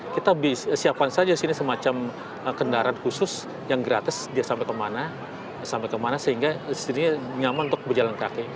kita siapkan saja disini semacam kendaraan khusus yang gratis dia sampai kemana sehingga disini nyaman untuk berjalan kaki